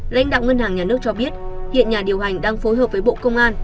lãnh đạo ngân hàng nhà nước cho biết hiện nhà điều hành đang phối hợp với bộ công an